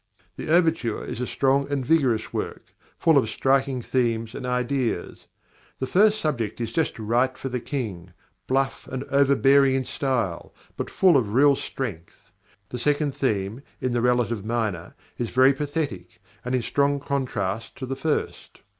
The overture is a strong and vigorous work, full of striking themes and ideas. The first subject is just right for the King, bluff and overbearing in style, but full of real strength. The second theme in the relative minor is very pathetic, and in strong contrast to the first.